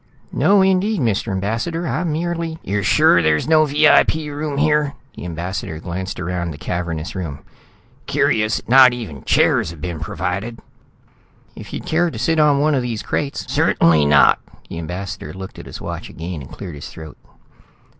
"No indeed, Mr. Ambassador. I merely " "You're sure there's no VIP room here?" The ambassador glanced around the cavernous room. "Curious that not even chairs have been provided." "If you'd care to sit on one of these crates " "Certainly not." The ambassador looked at his watch again and cleared his throat.